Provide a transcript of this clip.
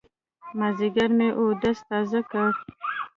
مازيګر مې اودس تازه کړ.